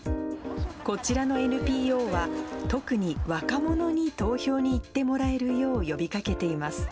こちらのＮＰＯは、特に若者に投票に行ってもらえるよう呼びかけています。